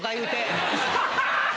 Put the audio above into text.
アハハハ！